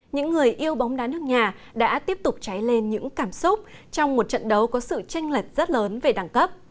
những người yêu bóng đá nước nhà đã tiếp tục cháy lên những cảm xúc trong một trận đấu có sự tranh lệch rất lớn về đẳng cấp